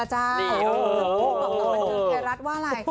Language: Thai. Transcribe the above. พูดมาตอนบันทึกไทยรัฐว่าอะไร